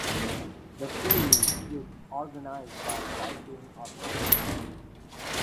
The series is organised by Cycling Australia.